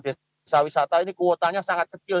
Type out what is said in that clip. desa wisata ini kuotanya sangat kecil